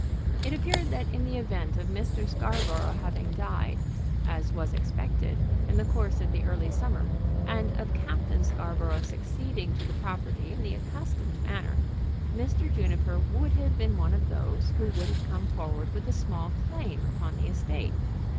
It appeared that in the event of Mr. Scarborough having died, as was expected, in the course of the early summer, and of Captain Scarborough succeeding to the property in the accustomed manner, Mr. Juniper would have been one of those who would have come forward with a small claim upon the estate.